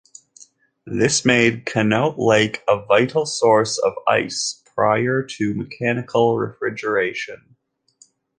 This made Conneaut Lake a vital source of ice, prior to mechanical refrigeration.